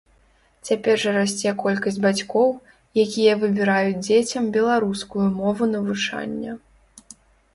Цяпер жа расце колькасць бацькоў, якія выбіраюць дзецям беларускую мову навучання.